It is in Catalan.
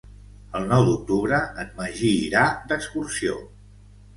El nou d'octubre en Magí irà d'excursió.